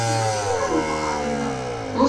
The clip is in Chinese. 信用卡提现包括两类。